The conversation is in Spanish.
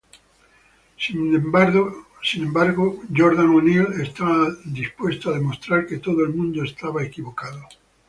Sin embargo, Jordan O´Neil está dispuesta a demostrar que todo el mundo estaba equivocado.